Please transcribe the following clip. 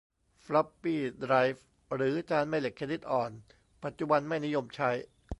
ฟล็อปปี้ไดรฟ์ หรือจานแม่เหล็กชนิดอ่อน ปัจจุบันไม่นิยมใช้